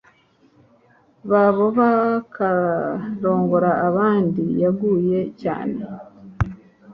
babo bakarongora abandi yaguye cyane